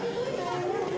tidak ada masalah